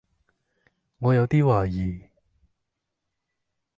我有啲懷疑